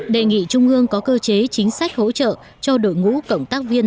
đề nghị trung ương có cơ chế chính sách hỗ trợ cho đội ngũ cộng tác viên